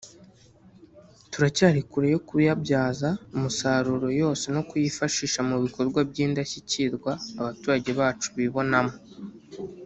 turacyari kure yo kuyabyaza umusaruro yose no kuyifashisha mu bikorwa by’indashyikirwa abaturage bacu bibonamo